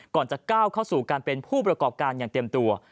ก่อนจะก้าวเข้าสู่การเป็นผู้ประกอบการอย่างเต็มตัว